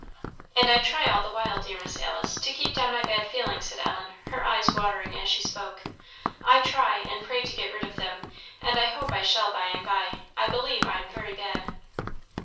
" "And I try all the while, dear Miss Alice, to keep down my bad feelings," said Ellen, her eyes watering as she spoke; "I try, and pray to get rid of them, and I hope I shall by and by; I believe I am very bad."